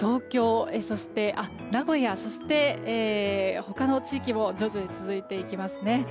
名古屋、そして他の地域も徐々に続いていきますね。